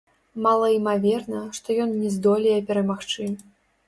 Малаімаверна, што ён не здолее перамагчы.